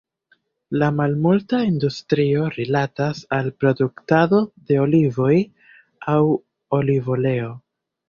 La malmulta industrio rilatas al produktado de olivoj aŭ olivoleo.